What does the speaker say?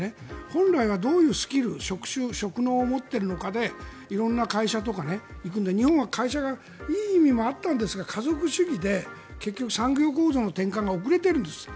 本来はどういうスキル職能を持っているかで色んな会社とかに行くので日本は会社がいい意味もあったんですが家族主義で産業構造の転換が遅れているんです。